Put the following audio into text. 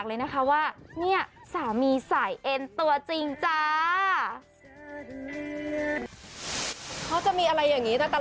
แกงหนังมาก